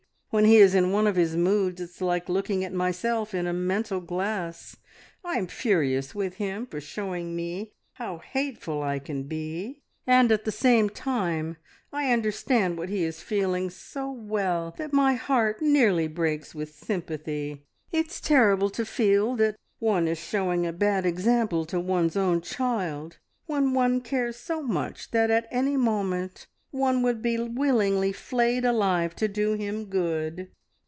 When he is in one of his moods it's like looking at myself in a mental glass. I'm furious with him for showing me how hateful I can be, and at the same time I understand what he is feeling so well that my heart nearly breaks with sympathy. It's terrible to feel that one is showing a bad example to one's own child, when one cares so much that at any moment one would be willingly flayed alive to do him good!"